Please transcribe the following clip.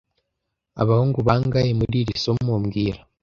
Abahungu bangahe muri iri somo mbwira